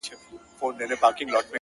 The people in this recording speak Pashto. له څه مودې راهيسي داسـي يـمـه،